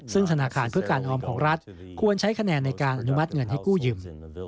ซึ่งธนาคารเพื่อการออมของรัฐควรใช้คะแนนในการอนุมัติเงินให้กู้ยืม